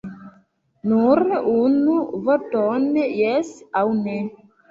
Nur unu vorton jes aŭ ne!